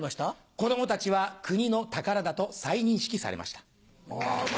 子供たちは国の宝だと再認識されました。